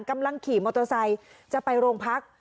กำลังขี่มอเตอร์ไซค์จะไปโรงพัก